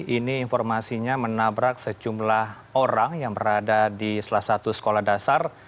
ini informasinya menabrak sejumlah orang yang berada di salah satu sekolah dasar